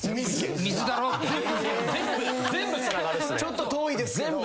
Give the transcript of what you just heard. ちょっと遠いですけど。